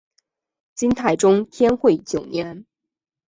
金太宗天会九年。